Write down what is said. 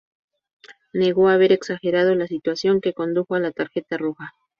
Negó haber "exagerado" la situación que condujo a la tarjeta roja.